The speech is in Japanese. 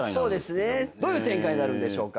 どういう展開になるんでしょうか。